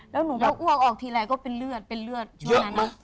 แล้วหนูพออ้วกออกทีไรก็เป็นเลือดเป็นเลือดช่วงนั้นเนอะ